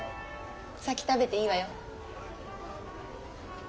先食べていいわよ。